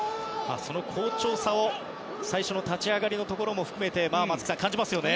好調さを最初の立ち上がりのところも含めて松木さん、感じますよね。